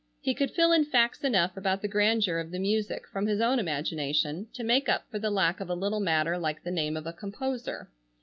He could fill in facts enough about the grandeur of the music from his own imagination to make up for the lack of a little matter like the name of a composer.